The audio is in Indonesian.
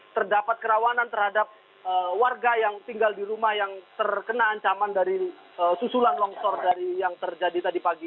terdapat kerawanan terhadap warga yang tinggal di rumah yang terkena ancaman dari susulan longsor dari yang terjadi tadi pagi